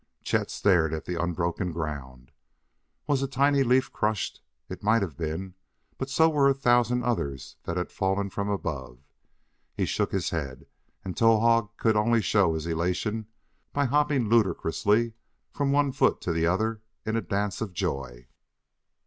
Chet stared at the unbroken ground. Was a tiny leaf crushed? It might have been, but so were a thousand others that had fallen from above. He shook his head, and Towahg could only show his elation by hopping ludicrously from one foot to the other in a dance of joy.